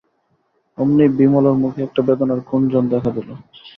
অমনি বিমলার মুখে একটা বেদনার কুঞ্চন দেখা দিল।